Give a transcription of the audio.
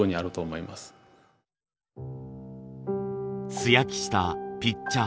素焼きしたピッチャー。